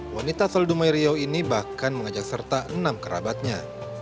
wanita sel dumairiyaw ini bahkan mengajak serta enam kerabatnya